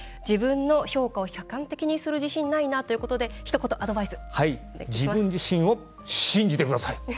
自分の評価を客観的にする自信がないな自分自身を信じてください。